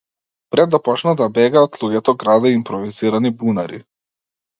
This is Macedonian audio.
Пред да почнат да бегаат, луѓето градеа импровизирани бунари.